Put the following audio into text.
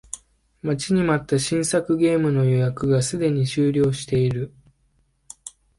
待ちに待った新作ゲームの予約がすでに終了している